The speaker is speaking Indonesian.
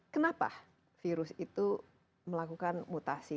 kenapa virus itu melakukan mutasi